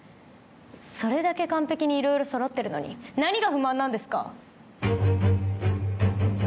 それだけ完璧にいろいろそろってるのに何が不満なんですか？